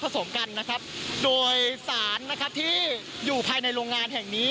สมกันนะครับโดยสารนะครับที่อยู่ภายในโรงงานแห่งนี้